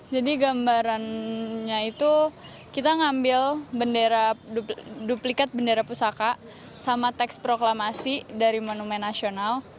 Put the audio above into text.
jadi gambarannya itu kita ngambil bendera duplikat bendera pusaka sama teks proklamasi dari monumen nasional